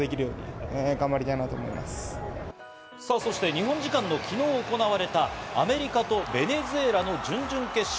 日本時間の昨日行われた、アメリカとベネズエラの準々決勝。